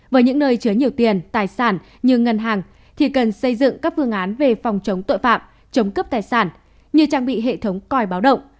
với những nơi chứa nhiều tiền tài sản như ngân hàng thì cần xây dựng các phương án về phòng chống tội phạm chống cướp tài sản như trang bị hệ thống coi báo động